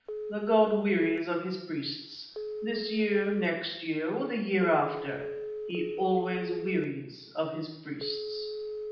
The god wearies of his priests. This year, next year, or the year after; he always wearies of his priests."